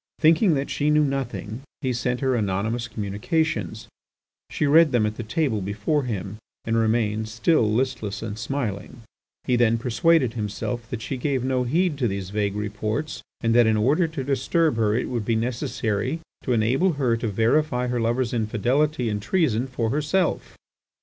Thinking that she knew nothing, he sent her anonymous communications. She read them at the table before him and remained still listless and smiling. He then persuaded himself that she gave no heed to these vague reports, and that in order to disturb her it would be necessary to enable her to verify her lover's infidelity and treason for herself.